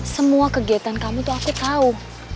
semua kegiatan kamu tuh aku tahu